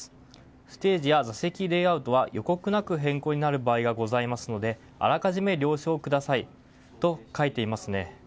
ステージや座席レイアウトは予告なく変更になる場合がございますのであらかじめ了承くださいと書いてありますね。